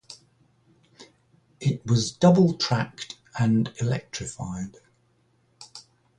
It was double-tracked and electrified.